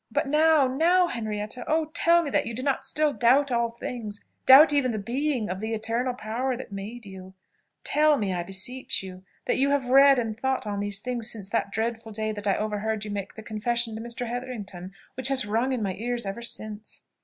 "But now, now Henrietta! Oh! tell me that you do not still doubt all things doubt even the being of the eternal power that made you; tell me, I beseech you, that you have read and thought on these things since that dreadful day that I overheard you make the confession to Mr. Hetherington which has rung in my ears ever since."